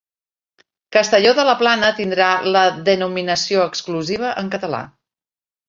Castelló de la Plana tindrà la denominació exclusiva en català